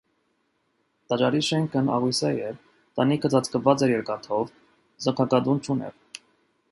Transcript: Տաճարի շենքն աղյուսե էր, տանիքը ծածկված էր երկաթով, զանգակատուն չուներ։